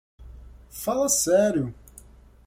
Fala sério!